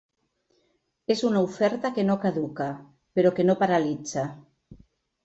És una oferta que no caduca, però que no paralitza.